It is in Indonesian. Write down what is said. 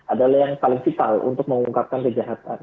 adalah yang paling vital untuk mengungkapkan kejahatan